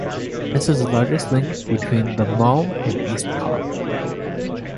This is the largest link between the mall and east Cobb.